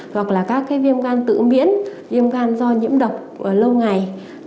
hoặc là các cái viêm gan tự miễn viêm gan do nhiễm độc lâu ngày